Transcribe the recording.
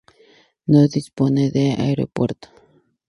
No dispone de aeropuerto.